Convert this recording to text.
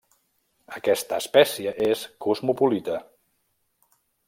Aquesta espècie és cosmopolita.